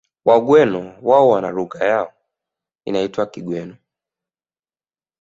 Wagweno wao wana lugha yao iitwayo Kigweno